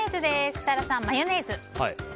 設楽さん、マヨネーズ。